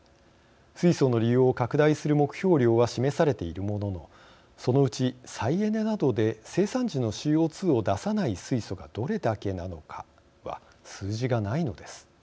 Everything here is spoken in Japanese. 水素の利用を拡大する目標量は示されているもののそのうち再エネなどで生産時のＣＯ２を出さない水素がどれだけなのかは数字がないのです。